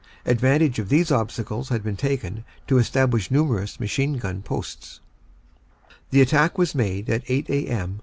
Advantage of these obstacles had been taken to establish numerous machine gun posts. The attack was made at 8 a.m.